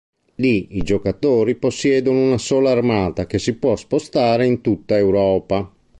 Lì, i giocatori possiedono una sola armata che si può spostare in tutta Europa.